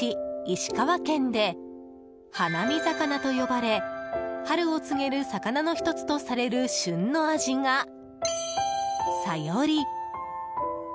石川県で花見魚と呼ばれ春を告げる魚の１つとされる旬の味がサヨリ。